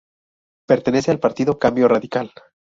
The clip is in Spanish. Pertenece al Partido Cambio Radical.